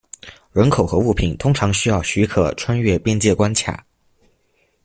人口和物品通常需要许可穿越边界关卡。